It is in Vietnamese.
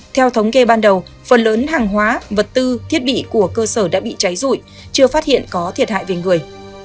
theo thống kê ban đầu phần lớn hàng hóa vật tư thiết bị của cơ sở đã bị cháy rụi chưa phát hiện có thiệt hại về người